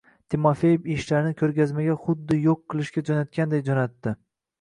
Timofeev ishlarini koʻrgazmaga xuddi yoʻq qilishga joʻnatganday joʻnatdi.